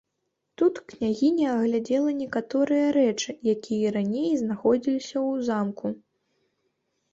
Тут княгіня агледзела некаторыя рэчы, якія раней знаходзіліся ў замку.